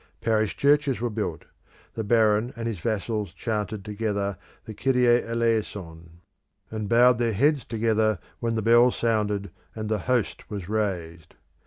Parish churches were built: the baron and his vassals chanted together the Kyrie Eleison, and bowed their heads together when the bell sounded and the Host was raised.